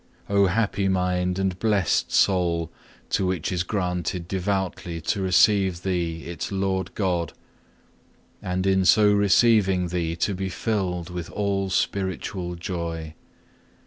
Oh happy mind and blessed soul, to which is granted devoutly to receive Thee its Lord God, and in so receiving Thee to be filled with all spiritual joy!